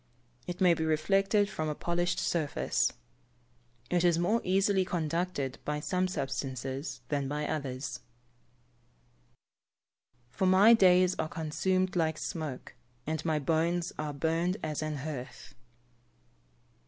It may be reflected from a polished surface. It is more easily conducted by some substances than by others. [Verse: "For my days are consumed like smoke, and my bones are burned as an hearth."